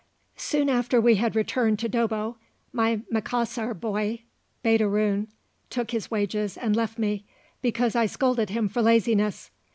Soon after we had returned to Dobbo, my Macassar boy, Baderoon, took his wages and left me, because I scolded him for laziness.